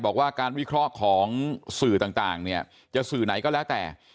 บอกว่าการวิเคราะห์ของสื่อต่างเนี่ยจะสื่อไหนก็แล้วแต่